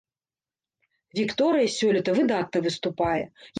Вікторыя сёлета выдатна выступае.